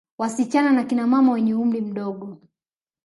Wasichana na kina mama wenye umri mdogo